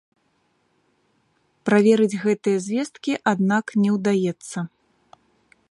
Праверыць гэтыя звесткі, аднак, не ўдаецца.